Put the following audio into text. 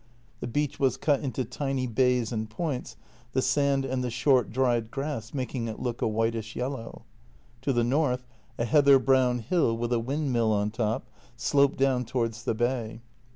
The beach was cut into tiny bays and points, the sand and the short dried grass making it look a whitish yellow. To the north a heather brown hill with a windmill on top sloped down towards the bay.